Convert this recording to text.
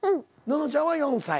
ののちゃんは４歳。